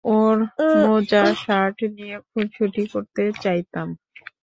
ওর মোজা, শার্ট নিয়ে খুনসুটি করতে চাইতাম।